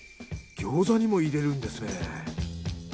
餃子にも入れるんですね。